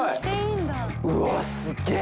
うわすげえ。